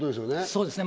そうですね